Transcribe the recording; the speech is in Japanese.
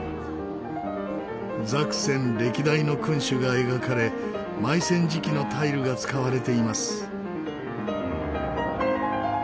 ザクセン歴代の君主が描かれマイセン磁器のタイルが使われています。